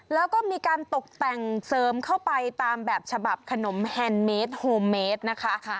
แล้วก็มีการตกแต่งเสริมเข้าไปตามแบบฉบับขนมแฮนดเมสโฮเมดนะคะ